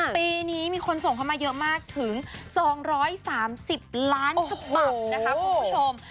ปีนี้มีคนส่งเข้ามาเยอะมากถึง๒๓๐ล้านฉบับนะคะคุณผู้ชม